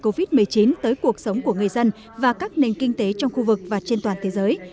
covid một mươi chín tới cuộc sống của người dân và các nền kinh tế trong khu vực và trên toàn thế giới